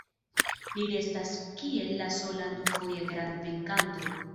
Li restas kiel la sola du-foja grand-venkanto.